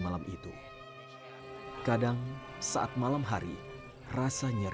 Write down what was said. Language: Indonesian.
lalu nih waktu penduduknya saja dia kemudian dis death and on